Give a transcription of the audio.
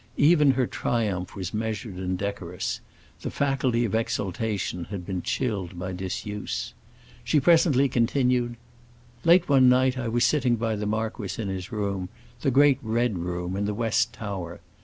Even her triumph was measured and decorous; the faculty of exultation had been chilled by disuse. She presently continued. "Late one night I was sitting by the marquis in his room, the great red room in the west tower.